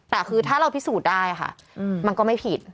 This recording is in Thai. แต่คือถ้าเราพิสูจน์ได้ค่ะมันก็ไม่ผิด